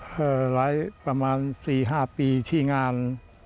ก็ไว้ประมาณ๔๕ปีที่งาน